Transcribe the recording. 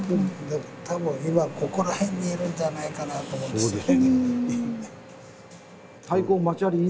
多分今ここら辺にいるんじゃないかなと思うんですよね。